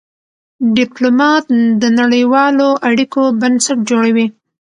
ډيپلومات د نړېوالو اړیکو بنسټ جوړوي.